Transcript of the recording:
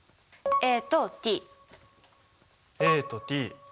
ＡとＴ。